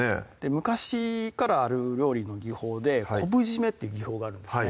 昔からある料理の技法で昆布締めっていう技法があるんですね